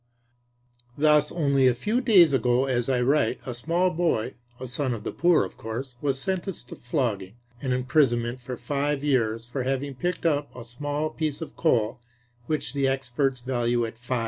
Thus only a few days ago as I write a small boy (a son of the poor, of course) was sentenced to flogging and imprisonment for five years for having picked up a small piece of coal which the experts value at 5d.